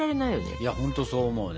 いやほんとそう思うね。